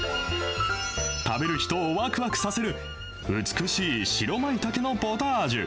食べる人をわくわくさせる、美しい白まいたけのポタージュ。